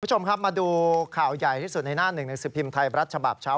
คุณผู้ชมครับมาดูข่าวใหญ่ที่สุดในหน้าหนึ่งหนังสือพิมพ์ไทยรัฐฉบับเช้า